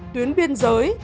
tuyến biên giới